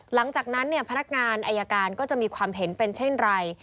หลังจากนั้นพนักงานอายการก็จะมีความเห็นเป็นเช่นไร